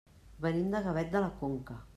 Venim de Gavet de la Conca.